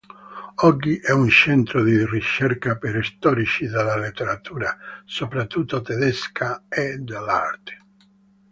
Oggi è un centro di ricerca per storici della letteratura, soprattutto tedesca, e dell'arte.